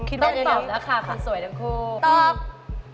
ต้องตอบแล้วค่ะคุณสวยทั้งคู่